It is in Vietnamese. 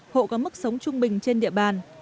hộ có mức sống trung bình trên địa bàn